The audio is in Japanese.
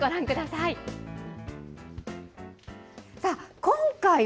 ご覧ください。